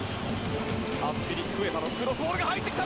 アスピリクエタのクロスボールが入ってきた。